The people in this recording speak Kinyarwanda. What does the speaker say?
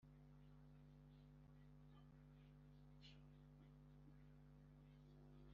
bari mu rugo rwa se abana babo bato n’imikumbi yabo